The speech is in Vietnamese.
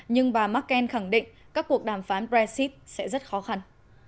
nhưng bà merkel khẳng định các cuộc đàm phán brexit sẽ rất khó khăn